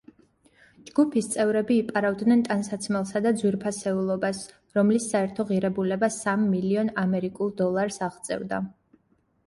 ჯგუფის წევრები იპარავდნენ ტანსაცმელსა და ძვირფასეულობა, რომლის საერთო ღირებულება სამ მილიონ ამერიკულ დოლარს აღწევდა.